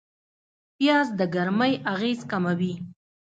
پیاز د ګرمۍ اغېز کموي